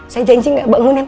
saya janji gak bangunin